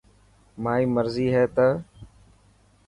مائي مرضي هي ته.